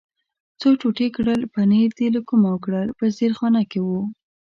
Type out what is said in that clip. څو ټوټې کړل، پنیر دې له کومه کړل؟ په زیرخانه کې و.